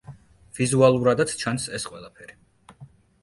ვიზუალურადაც ჩანს ეს ყველაფერი.